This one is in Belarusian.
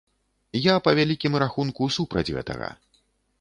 Я, па вялікім рахунку, супраць гэтага.